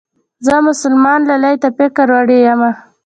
زه مسلمان لالي ته فکر وړې يمه